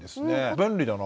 便利だな。